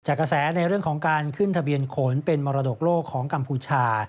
กระแสในเรื่องของการขึ้นทะเบียนขนเป็นมรดกโลกของกัมพูชา